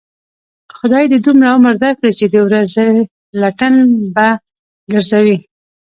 خدای دې دومره عمر در کړي، چې د ورځې لټن و گرځوې.